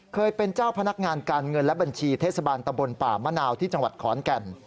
เคยเป็นเจ้าพนักงานการเงินและบัญชีเทศบาลตะบนป่ามะนาวที่จังหวัดขอนแก่น